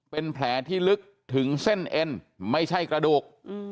เป็นแผลที่ลึกถึงเส้นเอ็นไม่ใช่กระดูก